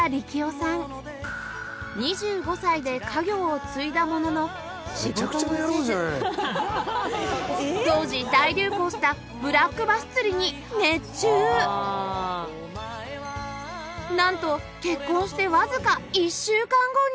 ２５歳で家業を継いだものの当時大流行したなんと結婚してわずか１週間後に